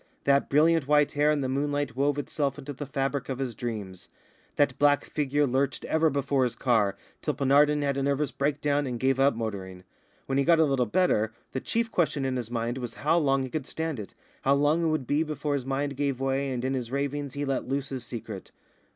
That brilliant white hair in the moonlight wove itself into the fabric of his dreams. That black figure lurched ever before his car, till Penarden had a nervous breakdown and gave up motoring. When he got a little better, the chief question in his mind was how long he could stand it, how long it would be before his mind gave way and in his ravings he let loose his secret.